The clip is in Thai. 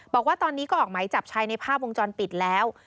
บอกว่าตอนนี้ก็ออกไหมจับชายในภาพวงจรปิดแล้ว